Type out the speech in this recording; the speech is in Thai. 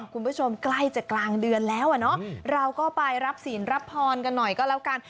คุณผู้ชมใกล้จะกลางเดือนแล้วอ่ะเนอะเราก็ไปรับศีลรับพรกันหน่อยก็แล้วกัน